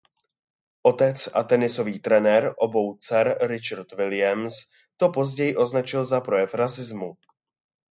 Otec a tenisový trenér obou dcer Richard Williams to později označil za projev rasismu.